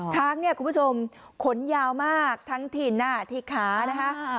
ช้างเนี่ยคุณผู้ชมขนยาวมากทั้งถิ่นที่ขานะคะ